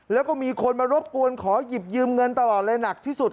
แล้วก็มีคนมารบกวนขอหยิบยืมเงินตลอดเลยหนักที่สุด